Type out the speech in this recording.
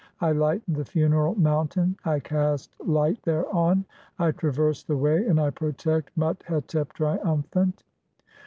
I lighten "the funeral mountain, I cast light (3) thereon. I traverse the "way, and I protect (4) Mut hetep, triumphant."